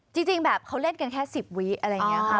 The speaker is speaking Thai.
จริงแบบเขาเล่นกันแค่๑๐วิอะไรอย่างนี้ค่ะ